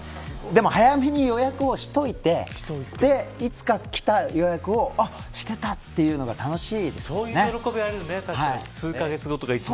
でも早めに予約をしといていつかしていた予約の日がきたというのが楽しいですよね。